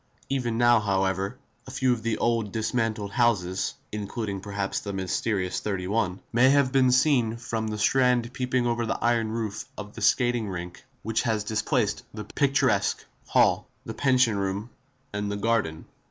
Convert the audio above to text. Even now, however, a few of the old, dismantled houses (including perhaps, the mysterious 31) may be seen from the Strand peeping over the iron roof of the skating rink which has displaced the picturesque hall, the pension room and the garden.